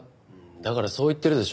だからそう言ってるでしょ。